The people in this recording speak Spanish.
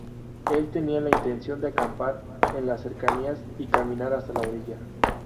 Él tenía la intención de acampar en las cercanías y caminar hasta la orilla.